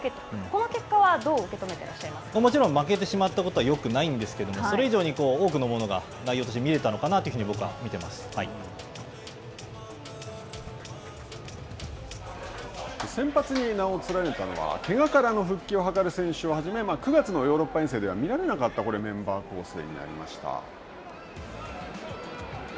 この結果はどう受け止めてらっしもちろん負けてしまったことはよくないんですけれども、それ以上に多くのものが内容として見ら先発に名を連ねたのはけがからの復帰を図る選手をはじめ、９月のヨーロッパ遠征では見られなかったメンバー構成になりました。